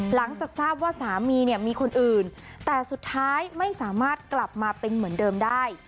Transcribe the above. หลังจากทราบว่าสามีเนี่ยมีคนอื่นแต่สุดท้ายไม่สามารถกลับมาเป็นเหมือนเดิมได้